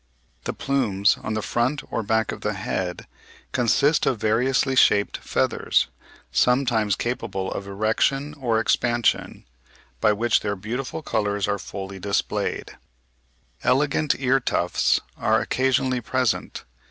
The plumes on the front or back of the head consist of variously shaped feathers, sometimes capable of erection or expansion, by which their beautiful colours are fully displayed. Elegant ear tufts (Fig. 39) are occasionally present.